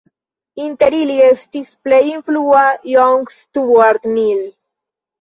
Inter ili estis plej influa John Stuart Mill.